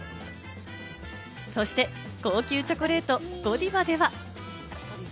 そして、高級チョコレート、ゴディバでは。